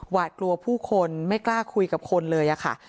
หวาดกลัวผู้คนไม่กล้าคุยกับคนเลยค่ะ